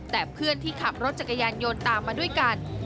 แต่เพื่อนที่ขับรถจักรยานยนต์ตามมาด้วยกัน